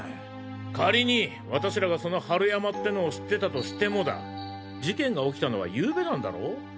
仮に私らがその春山ってのを知ってたとしてもだ事件が起きたのはゆうべなんだろ？